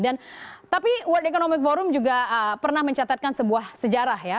tapi world economic forum juga pernah mencatatkan sebuah sejarah ya